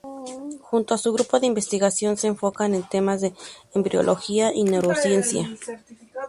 Junto a su grupo de investigación se enfocan en temas de embriología y neurociencia.